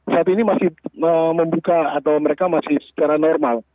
saat ini masih membuka atau mereka masih secara normal